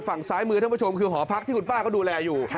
ฝั่งซ้ายมือท่านผู้ชมคือหอพักที่คุณป้าก็ดูแลอยู่